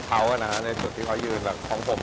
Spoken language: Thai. คือเราคุยกันเหมือนเดิมตลอดเวลาอยู่แล้วไม่ได้มีอะไรสูงแรง